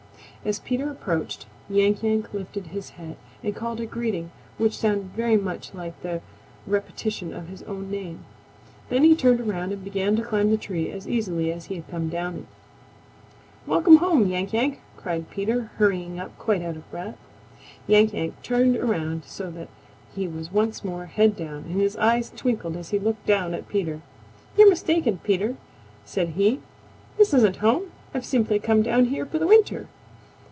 As Peter approached, Yank Yank lifted his head and called a greeting which sounded very much like the repetition of his own name. Then he turned around and began to climb the tree as easily as he had come down it. "Welcome home, Yank Yank!" cried Peter, hurrying up quite out of breath. Yank Yank turned around so that he was once more head down, and his eyes twinkled as he looked down at Peter. "You're mistaken Peter," said he. "This isn't home. I've simply come down here for the winter.